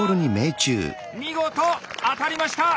見事当たりました！